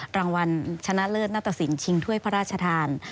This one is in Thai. รางวัลชนะเลิศนัตตสินชิงถ้วยพระราชทาน